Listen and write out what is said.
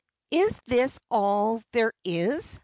"Is this all there is?"